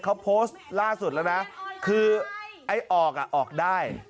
เขาโพสต์ล่าสุดแล้วนะคือไอ้ออกอ่ะออกออกได้